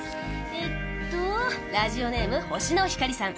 えっとラジオネーム「星の光」さん。